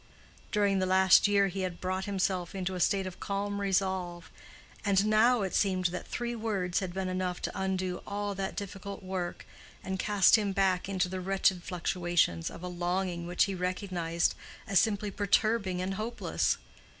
During the last year he had brought himself into a state of calm resolve, and now it seemed that three words had been enough to undo all that difficult work, and cast him back into the wretched fluctuations of a longing which he recognized as simply perturbing and hopeless.